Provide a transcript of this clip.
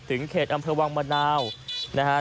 เขตอำเภอวังมะนาวนะฮะ